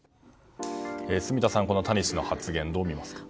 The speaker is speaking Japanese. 住田さん、この谷氏の発言どう見ますか？